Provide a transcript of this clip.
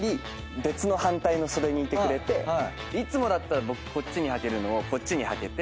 いつもだったら僕こっちにはけるのをこっちにはけて。